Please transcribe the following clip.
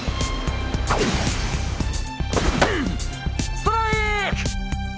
ストライーク！